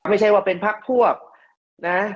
ไม่ใช่ว่าเป็นพักพวกนะ